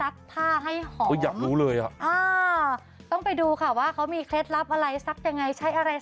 ใช่มีตลอดหวะ